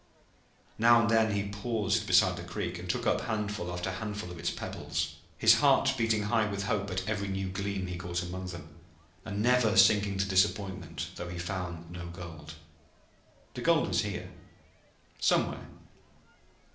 Now and then he paused beside the creek and took up handful after handful of its pebbles, his heart beating high with hope at every new gleam he caught among them, and never sinking to disappointment though he found no gold. The gold was here somewhere.